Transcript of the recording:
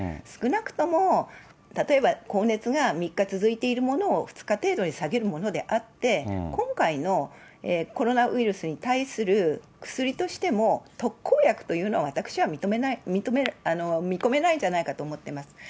少なくとも、例えば高熱が３日続いているものを２日程度に下げるものであって、今回のコロナウイルスに対する薬としても、特効薬というのは、私は見込めないんじゃないかと思ってます。